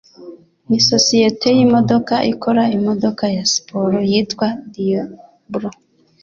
Nisosiyete yimodoka ikora imodoka ya siporo yitwa "Diablo"?